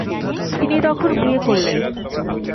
তিনি তখন বিয়ে করলেন।